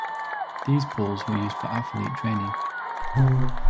These pools were used for athlete training.